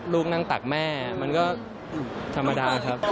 ลูกนั่งตักแม่มันก็ธรรมดาครับ